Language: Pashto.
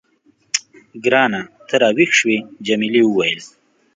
ګرانه، ته راویښ شوې؟ جميلې وويل:.